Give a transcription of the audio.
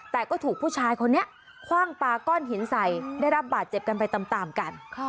แต่ก็ถูกผู้ชายคนนี้คว่างปลาก้อนหินใส่ได้รับบาดเจ็บกันไปตามกัน